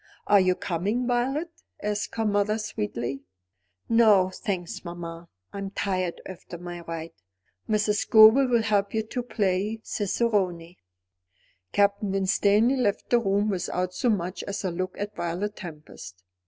"Are you coming, Violet?" asked her mother sweetly. "No, thanks, mamma. I am tired after my ride. Mrs. Scobel will help you to play cicerone." Captain Winstanley left the room without so much as a look at Violet Tempest.